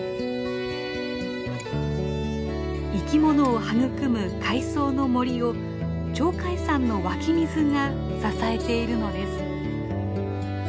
生き物を育む海藻の森を鳥海山の湧き水が支えているのです。